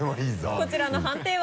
こちらの判定は？